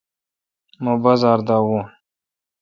مہ بازار دا داوین۔